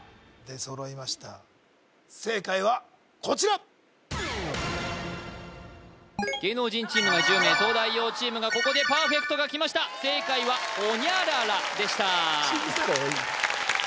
出揃いました正解はこちら芸能人チームが１０名東大王チームがここでパーフェクトがきました正解はホニャララでした